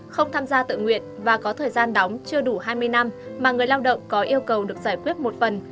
không tham gia tự nguyện và có thời gian đóng chưa đủ hai mươi năm mà người lao động có yêu cầu được giải quyết một phần